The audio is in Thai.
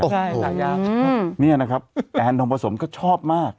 โอ้โหสมฉายานี่นะครับแอนโดมผสมก็ชอบมาก